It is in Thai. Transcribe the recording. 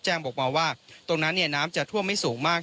บอกมาว่าตรงนั้นเนี่ยน้ำจะท่วมไม่สูงมาก